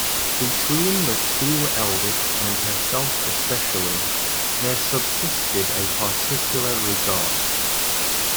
Between the two eldest and herself especially, there subsisted a particular regard.